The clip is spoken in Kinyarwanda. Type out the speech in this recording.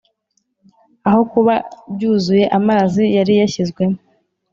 ” Aho kuba byuzuye amazi yari yashyizwemo